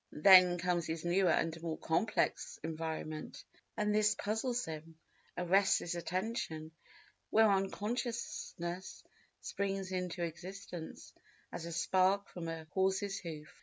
Then comes his newer and more complex environment, and this puzzles him—arrests his attention—whereon consciousness springs into existence, as a spark from a horse's hoof.